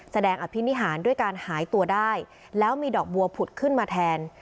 อภินิหารด้วยการหายตัวได้แล้วมีดอกบัวผุดขึ้นมาแทน